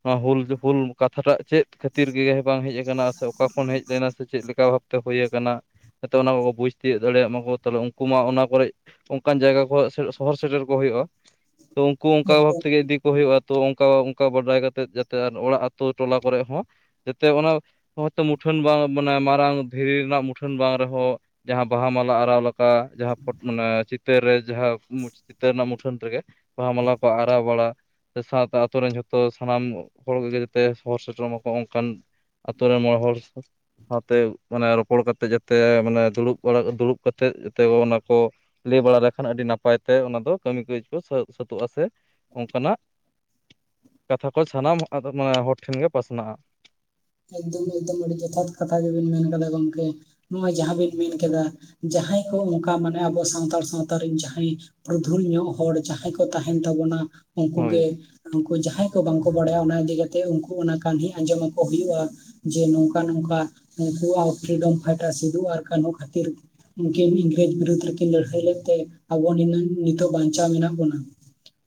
ᱱᱚᱣᱟ ᱦᱩᱞ ᱦᱩᱞ ᱠᱟᱛᱷᱟᱴᱟᱜ ᱪᱮᱫ ᱠᱷᱟᱹᱛᱤᱨ ᱜᱮ ᱵᱟᱝ ᱦᱮᱡ ᱟᱠᱟᱱᱟ, ᱥᱮ ᱚᱠᱟ ᱠᱷᱚᱱ ᱦᱮᱡ ᱞᱮᱱᱟ, ᱥᱮ ᱪᱮᱫ ᱞᱮᱠᱟ ᱵᱷᱟᱵᱽ ᱛᱮ ᱦᱳᱭ ᱟᱠᱟᱱᱟ? ᱡᱟᱛᱮ ᱚᱱᱟ ᱠᱚᱠᱚ ᱵᱩᱡᱽ ᱛᱤᱭᱳᱜ ᱫᱟᱲᱮᱭᱟᱜ ᱢᱟᱠᱚ, ᱛᱟᱞᱦᱮ ᱩᱱᱠᱩ ᱢᱟ ᱚᱱᱟ ᱠᱚᱨᱮ ᱚᱱᱠᱟᱱ ᱡᱟᱭᱜᱟ ᱠᱚ ᱥᱚᱦᱚᱨ ᱥᱮᱴᱮᱨ ᱠᱚ ᱦᱳᱭᱳᱜᱼᱟ ᱾ ᱛᱚ ᱩᱱᱠᱩ ᱚᱱᱠᱟ ᱵᱷᱟᱵᱽ ᱮᱠᱫᱚᱢ ᱛᱮᱜᱮ ᱤᱫᱤ ᱠᱚ ᱦᱩᱭᱳᱜᱼᱟ, ᱛᱚ ᱚᱱᱠᱟ ᱚᱱᱠᱟ ᱵᱟᱰᱟᱭ ᱠᱟᱛᱮ ᱡᱟᱛᱮ ᱚᱲᱟᱜ ᱟᱛᱳ ᱴᱚᱞᱟ ᱠᱚᱨᱮ ᱦᱚᱸ ᱡᱟᱛᱮ ᱚᱱᱟ ᱦᱚᱭᱛᱳ ᱢᱩᱴᱷᱟᱹᱱ ᱵᱟᱝ ᱢᱟᱱᱮ ᱢᱟᱨᱟᱝ ᱫᱷᱤᱨᱤ ᱨᱮᱱᱟᱜ ᱢᱩᱴᱷᱟᱹᱱ ᱵᱟᱝ ᱨᱮᱦᱚᱸ ᱡᱟᱦᱟᱸ ᱵᱟᱦᱟ ᱢᱟᱞᱟ ᱟᱨᱟᱣ ᱟ ᱡᱟᱦᱟᱸ ᱯᱷᱚᱴ ᱢᱟᱱᱮ ᱪᱤᱫ ᱛᱟᱹᱨ ᱨᱮ ᱡᱟᱦᱟᱸ ᱢᱩᱪᱷ ᱪᱤᱛᱟᱹᱨ ᱨᱮᱱᱟᱜ ᱢᱩᱴᱷᱟᱹᱱ ᱨᱮᱜᱮ ᱵᱟᱦᱟ ᱢᱟᱞᱟ ᱠᱚ ᱟᱨᱟᱣ ᱵᱟᱲᱟ ᱥᱮ ᱥᱟᱸᱣ-ᱥᱟᱸᱶ ᱟᱛᱳ ᱨᱮᱱ ᱡᱷᱚᱛᱚ ᱥᱟᱱᱟᱢ ᱦᱚᱲ ᱠᱚᱜᱮ ᱡᱟᱛᱮ ᱥᱚᱦᱚᱨ ᱥᱮᱴᱮᱨᱚᱜ ᱢᱟᱠᱚ ᱚᱱᱠᱟᱱ ᱟᱛᱳ ᱨᱮ ᱢᱚᱬᱮ ᱦᱚᱲ ᱥ ᱥᱟᱶᱛᱮ ᱢᱟᱱᱮ ᱨᱚᱯᱚᱲ ᱠᱟᱛᱮ ᱡᱟᱛᱮ ᱢᱟᱱᱮ ᱫᱩᱲᱩᱵ ᱵᱟᱲᱟ ᱫᱩᱲᱩᱵ ᱠᱟᱛᱮ ᱡᱟᱛᱮ ᱚᱱᱟ ᱠᱚ ᱼᱼ ᱞᱟᱹᱭ ᱵᱟᱲᱟ ᱞᱮᱠᱷᱟᱱ ᱟᱹᱰᱤ ᱱᱟᱯᱟᱭ ᱛᱮ ᱚᱱᱟ ᱫᱚ ᱠᱟᱹᱢᱤ ᱠᱟᱹᱡᱽ ᱠᱚ ᱥᱟᱹᱛ ᱥᱟᱹᱛᱚᱜ-ᱟ ᱥᱮ ᱚᱱᱠᱟ ᱱᱟᱜ ᱠᱟᱛᱷᱟ ᱠᱚ ᱥᱟᱱᱟᱢ ᱟᱫᱚ ᱢᱟᱱᱮ ᱦᱚᱲ ᱴᱷᱮᱱ ᱜᱮ ᱯᱟᱥᱱᱟᱜ-ᱟ᱾ ᱮᱠᱫᱚᱢ ᱮᱠᱫᱚᱢ ᱟᱹᱰᱤ ᱡᱚᱛᱷᱟᱛ ᱠᱟᱛᱷᱟ ᱜᱮᱵᱤᱱ ᱢᱮᱱ ᱠᱟᱫᱟ ᱜᱚᱝᱠᱮ ᱱᱚᱜ-ᱚᱣ ᱡᱟᱦᱟᱸ ᱵᱤᱱ ᱢᱮᱱ ᱠᱮᱫᱟ᱾ ᱡᱟᱦᱟᱸᱭ ᱠᱚ ᱚᱱᱠᱟ ᱢᱟᱱᱮ ᱟᱵᱚ ᱥᱟᱱᱛᱟᱲ ᱥᱟᱸᱶᱛᱟ ᱨᱮᱱ ᱡᱟᱦᱟᱸᱭ ᱯᱩᱨᱩᱫᱷᱩᱞ ᱧᱚᱜ ᱦᱚᱲ ᱡᱟᱦᱟᱸᱭ ᱠᱚ ᱛᱟᱦᱮᱱ ᱛᱟᱵᱚᱱᱟ᱾ ᱩᱝᱠᱩ ᱦᱳᱭ ᱜᱮ ᱩᱱᱠᱩ ᱡᱟᱦᱟᱸᱭ ᱠᱚ ᱵᱟᱝ ᱠᱚ ᱵᱟᱲᱟᱭᱟ ᱚᱱᱟ ᱤᱫᱤ ᱠᱟᱛᱮᱜ ᱩᱱᱠᱩ ᱚᱱᱟ ᱠᱟᱱᱦᱤ ᱟᱸᱡᱚᱢ ᱟᱠᱚ ᱦᱩᱭᱩᱜ-ᱟ ᱡᱮ ᱱᱚᱝᱠᱟ ᱱᱚᱝᱠᱟ ᱩᱱᱠᱩ ᱣᱟᱜ ᱯᱷᱨᱤᱰᱚᱢ ᱯᱷᱟᱭᱴᱟᱨ ᱥᱤᱫᱩ ᱟᱨ ᱠᱟᱱᱦᱩ ᱠᱷᱟᱛᱤᱨ ᱩᱱᱠᱤᱱ ᱤᱝᱨᱟᱹᱡᱽ ᱵᱤᱨᱩᱫᱽᱫ ᱨᱮᱠᱤᱱ ᱞᱟᱹᱲᱦᱟᱹᱭ ᱞᱮᱫ ᱛᱮ ᱟᱵᱚ ᱱᱤᱱᱟᱹᱝ ᱱᱤᱛᱚᱜ ᱵᱟᱧᱪᱟᱣ ᱢᱮᱱᱟᱜ ᱵᱚᱱᱟ᱾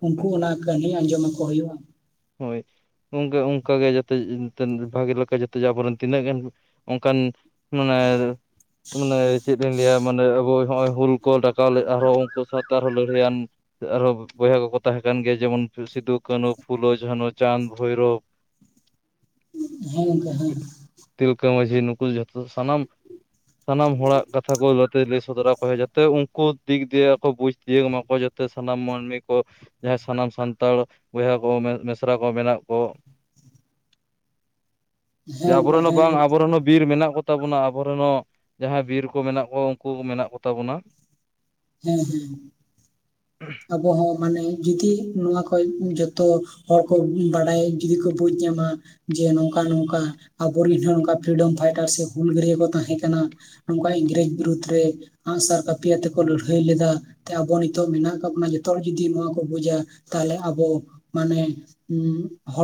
ᱩᱱᱠᱩ ᱚᱱᱟ ᱠᱟᱹᱦᱟᱱᱤ ᱟᱸᱡᱚᱢ ᱟᱠᱚ ᱦᱩᱭᱩᱜ-ᱟ᱾ ᱦᱳᱭ ᱜᱚᱝᱠᱮ ᱚᱱᱠᱟ ᱜᱮ ᱡᱟᱛᱮ ᱡᱮ ᱛᱟ ᱵᱷᱟᱜᱮ ᱞᱮᱠᱟ ᱡᱟᱛᱮ ᱟᱵᱚ ᱨᱮᱱ ᱛᱤᱱᱟᱹᱜ ᱜᱟᱱ ᱚᱱᱠᱟᱱ ᱢᱟᱱᱮᱨ ᱛᱚ ᱢᱟᱱᱮ ᱪᱮᱫ? ᱪᱮᱜ ᱤᱧ ᱞᱟᱹᱭᱟ ᱢᱟᱱᱮ ᱟᱵᱚᱭ ᱱᱚᱜ-ᱚᱭ ᱦᱩᱞ ᱠᱚ ᱰᱟᱠᱟᱣ ᱞᱮᱜ-ᱟ ᱟᱨᱦᱚᱸ ᱩᱱᱠᱩ ᱥᱟᱸᱶᱛᱮ ᱟᱨᱦᱚᱸ ᱞᱟᱹᱲᱦᱟᱹ ᱭᱟᱱ ᱥᱮ ᱟᱨᱦᱚᱸ ᱵᱚᱭᱦᱟ ᱠᱚᱠᱚ ᱛᱟᱦᱮᱸ ᱠᱟᱱ ᱜᱮᱭᱟ ᱡᱮᱢᱚᱱ ᱥᱤ ᱥᱤᱫᱩ ᱠᱟᱹᱱᱩ᱾ ᱯᱷᱩᱞᱳ ᱡᱷᱟᱱᱚ, ᱪᱟᱸᱫᱽ ᱵᱷᱳᱭᱨᱚ, ᱦᱮᱸ ᱜᱚᱝᱠᱮ ᱦᱮᱸ᱾ ᱛᱤᱞᱠᱟᱹ ᱢᱟᱺᱡᱷᱤ ᱱᱩᱠᱩ ᱡᱚᱛᱚ ᱥᱟᱱᱟᱢ, ᱥᱟᱱᱟᱢ ᱦᱚᱲᱟᱜ ᱠᱟᱛᱷᱟ ᱠᱚ ᱡᱟᱛᱮ ᱞᱟᱹᱭ ᱥᱚᱫᱚᱨᱟ ᱠᱚ ᱦᱩᱭᱩᱜ ᱡᱟ ᱛᱮ ᱩᱱᱠᱩ ᱫᱤᱠ ᱫᱤᱭᱮ ᱠᱚ ᱵᱩᱡᱽ ᱛᱤᱭᱟᱹᱜᱽ ᱢᱟᱠᱚ ᱡᱟᱛᱮ ᱥᱟᱱᱟᱢ ᱢᱟᱹᱱᱢᱤ ᱠᱚ, ᱡᱟᱦᱟᱸᱭ ᱥᱟᱱᱟᱢ ᱥᱟᱱᱛᱟᱲ ᱵᱚᱭᱦᱟ ᱠᱚ ᱢᱮ ᱢᱮᱥᱨᱟ ᱠᱚ ᱢᱮᱱᱟᱜ ᱠᱚ᱾ ᱦᱮᱸ ᱡᱟ ᱟᱵᱚ ᱜᱚᱢᱠᱮ ᱨᱮᱱ ᱦᱚᱸ ᱦᱮᱸ ᱵᱟᱝ ᱟᱵᱚᱨᱮᱱ ᱦᱚᱸ ᱵᱤᱨ ᱢᱮᱱᱟᱜ ᱠᱚᱛᱟ ᱵᱚᱱᱟ ᱟᱵᱚ ᱨᱮᱱ ᱦᱚᱸ ᱡᱟᱦᱟᱸᱭ ᱵᱤᱨ ᱠᱚ ᱢᱮᱱᱟᱜ ᱠᱚᱣᱟ ᱩᱱᱠᱩ ᱢᱮᱱᱟᱜ ᱠᱚᱛᱟ ᱵᱚᱱᱟ᱾ ᱦᱮᱸ ᱦᱮᱸ᱾ ᱟᱵᱚ ᱦᱚᱸ ᱢᱟᱱᱮ ᱡᱩᱫᱤ ᱱᱚᱣᱟ ᱠᱷᱚᱡ ᱡᱚᱛᱚ ᱦᱚᱲ ᱠᱚ ᱵᱟᱰᱟᱭ ᱡᱩᱫᱤ ᱠᱚ ᱵᱩᱡᱽ ᱧᱟᱢᱟ᱾ ᱡᱮ ᱱᱚᱝᱠᱟ ᱱᱚᱝᱠᱟ ᱟᱵᱚᱨᱮᱱ ᱦᱚᱸ ᱱᱚᱝᱠᱟ ᱯᱷᱨᱤᱰᱚᱢ ᱯᱷᱟᱭᱴᱟᱨ ᱥᱮ ᱦᱩᱞᱜᱟᱹᱨᱭᱟᱹ ᱠᱚ ᱛᱟᱦᱮᱸ ᱠᱟᱱᱟ᱾ ᱱᱚᱝᱠᱟ ᱤᱝᱨᱟᱹᱡᱽ ᱵᱤᱨᱩᱫᱽᱷ ᱨᱮ ᱟᱸᱜᱼᱥᱟᱨ ᱠᱟᱯᱤ ᱭᱟᱛᱮᱜ ᱠᱚ ᱞᱟᱹᱲᱦᱟᱹᱭ ᱞᱮᱫᱟ ᱛᱮ ᱟᱵᱚ ᱱᱤᱛᱚᱜ ᱢᱤᱱᱟᱜ ᱠᱟᱜ ᱵᱚᱱᱟ ᱡᱚᱛᱚ ᱦᱚᱲ ᱡᱩᱫᱤ ᱱᱚᱣᱟ ᱠᱚ ᱵᱩᱡᱟ ᱛᱟᱦᱚᱞᱮ ᱟᱵᱚ ᱢᱟᱱᱮ ᱩᱸ ᱦᱚᱲ